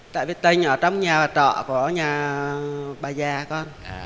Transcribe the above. tại vì tên ở trong nhà trọ của nhà bà già con